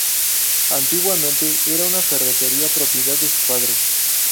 Antiguamente era una ferretería propiedad de su padre.